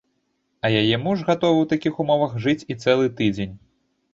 А яе муж гатовы ў такіх умовах жыць і цэлы тыдзень.